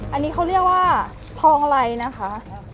อันนี้เขาเรียกว่าทองไลนะคะ